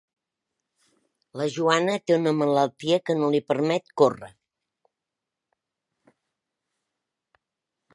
La Joana té una malaltia que no li permet córrer.